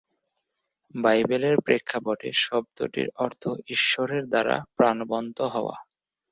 বাইবেলের প্রেক্ষাপটে শব্দটির অর্থ ঈশ্বরের দ্বারা প্রাণবন্ত হওয়া।